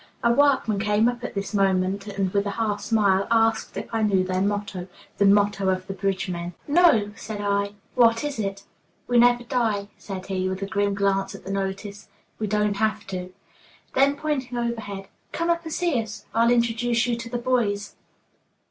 A workman came up at this moment, and, with a half smile, asked if I knew their motto, the motto of the bridge men. "No," said I; "what is it?" "'We never die,'" said he, with a grim glance at the notice; "we don't have to." Then, pointing overhead: "Come up and see us. I'll introduce you to the boys."